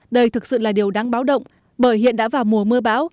đây thực sự là điều đáng báo động bởi hiện đã vào mùa mưa bão